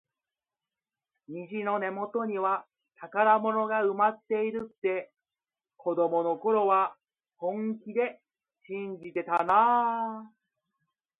虹の根元には宝物が埋まっているって、子どもの頃は本気で信じてたなあ。